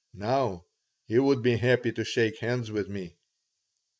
Now he would be happy to shake hands with me."